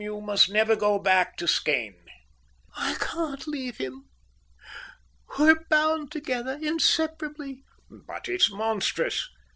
You must never go back to Skene." "I can't leave him. We're bound together inseparably." "But it's monstrous.